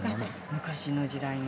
昔の時代の。